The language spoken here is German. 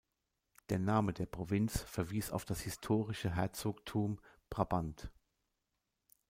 Der Name der Provinz verwies auf das historische Herzogtum Brabant.